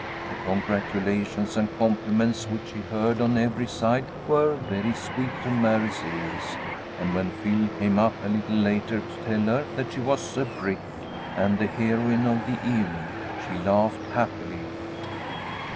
The congratulations and compliments which she heard on every side were very sweet to Mary's ears, and when Phil came up a little later to tell her that she was a brick and the heroine of the evening, she laughed happily.